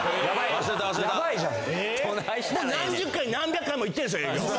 もう何十回何百回も行ってんですよ営業。